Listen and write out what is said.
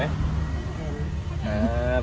เห็น